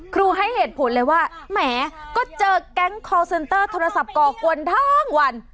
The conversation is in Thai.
ให้เหตุผลเลยว่าแหมก็เจอแก๊งคอร์เซ็นเตอร์โทรศัพท์ก่อกวนทั้งวัน